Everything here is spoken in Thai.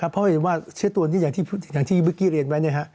เพราะเห็นว่าเชื้อตัวนี้อย่างที่เมื่อกี้เรียนไว้